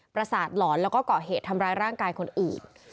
ประสาทหลอนแล้วก็เกาะเหตุทำร้ายร่างกายคนอื่น